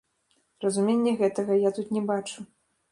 Разумення гэтага я тут не бачу.